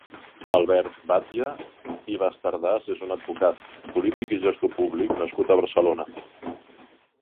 Albert Batlle i Bastardas és un advocat, polític i gestor públic nascut a Barcelona.